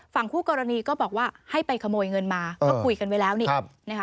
คู่กรณีก็บอกว่าให้ไปขโมยเงินมาก็คุยกันไว้แล้วนี่นะคะ